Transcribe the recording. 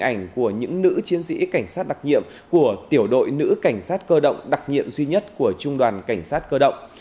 hình ảnh của những nữ chiến sĩ cảnh sát đặc nhiệm của tiểu đội nữ cảnh sát cơ động đặc nhiệm duy nhất của trung đoàn cảnh sát cơ động